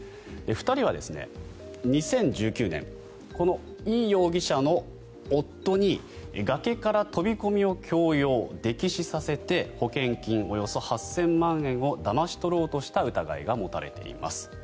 ２人は２０１９年このイ容疑者の夫に崖から飛び込みを強要溺死させて保険金およそ８０００万円をだまし取ろうとした疑いが持たれています。